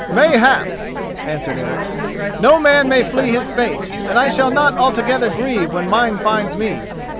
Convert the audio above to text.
"Mayhap," answered Eric. "No man may flee his fate, and I shall not altogether grieve when mine finds me.